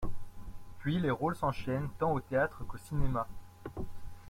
Puis les rôles s'enchaînent tant au théâtre qu'au cinéma.